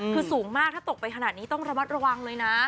คือสูงมากถ้าตกไปขนาดนี้ต้องระมัดระวังเลยนะ